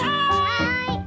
はい！